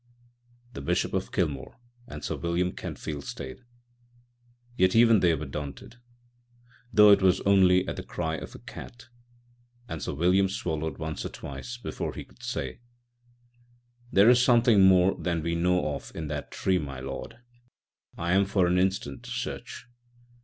The Bishop of Kilmore and Sir William Kentfield stayed. Yet even they were daunted, though it was only at the cry of a cat; and Sir William swallowed once or twice before he could say: "There is something more than we know of in that tree, my lord. I am for an instant search."